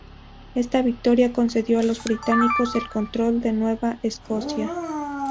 Esta victoria concedió a los británicos el control de Nueva Escocia.